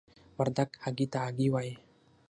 وردګ هګۍ ته آګۍ وايي.